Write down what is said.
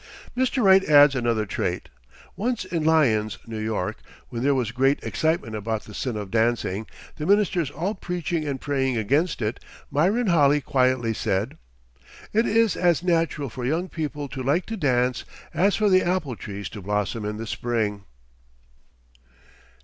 Mr. Wright adds another trait: "Once in Lyons (N. Y.) when there was great excitement about the 'sin of dancing,' the ministers all preaching and praying against it, Myron Holley quietly said: 'It is as natural for young people to like to dance as for the apple trees to blossom in the spring.'"